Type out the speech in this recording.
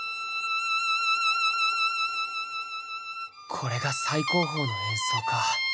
これが最高峰の演奏か。